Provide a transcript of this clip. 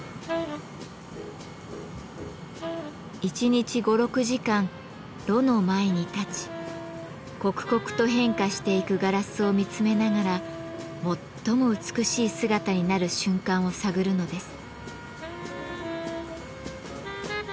１日５６時間炉の前に立ち刻々と変化していくガラスを見つめながら最も美しい姿になる瞬間を探るのです。